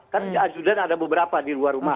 kan ajudan ada beberapa di luar rumah